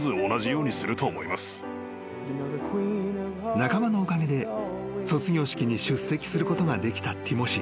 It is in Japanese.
［仲間のおかげで卒業式に出席することができたティモシー］